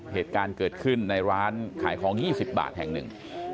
เหตุการณ์เกิดขึ้นในร้านขายของ๒๐บาทแห่งหนึ่ง